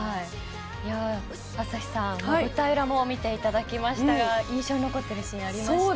朝日さん、舞台裏も見ていただきましたが印象に残っているシーンありましたか。